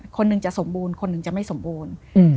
คนหนึ่งจะสมบูรณ์คนหนึ่งจะไม่สมบูรณ์